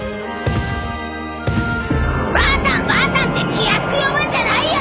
ばあさんばあさんって気安く呼ぶんじゃないよ。